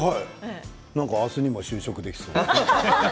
なんか明日にも就職できそうで。